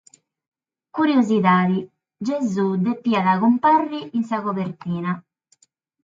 Curiosidade: Gesùs deviat cumpàrrere in sa cobertina.